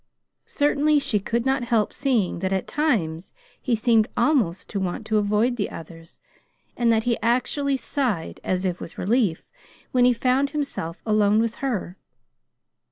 Certainly she could not help seeing that at times he seemed almost to want to avoid the others, and that he actually sighed, as if with relief, when he found himself alone with her.